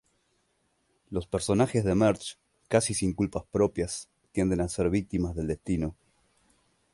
Los personajes de March, casi sin culpas propias, tienden a ser víctimas del destino.